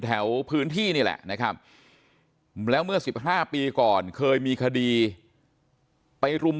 แถวพื้นที่นี่แหละนะครับแล้วเมื่อ๑๕ปีก่อนเคยมีคดีไปรุม